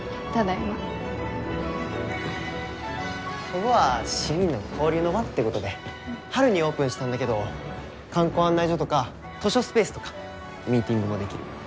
こごは市民の交流の場ってごどで春にオープンしたんだけど観光案内所とか図書スペースとか。ミーティングもできる。